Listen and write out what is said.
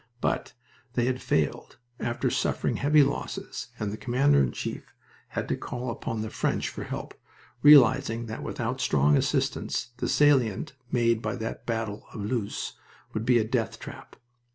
But they had failed, after suffering heavy losses, and the Commander in Chief had to call upon the French for help, realizing that without strong assistance the salient made by that battle of Loos would be a death trap.